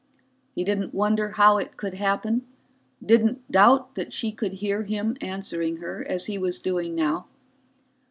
He didn't wonder how it could happen, didn't doubt that she could hear him answering her, as he was doing now.